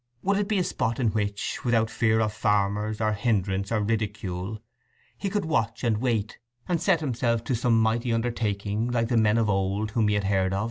Would it be a spot in which, without fear of farmers, or hindrance, or ridicule, he could watch and wait, and set himself to some mighty undertaking like the men of old of whom he had heard?